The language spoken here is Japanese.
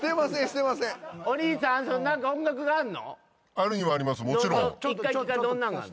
あるにはあります。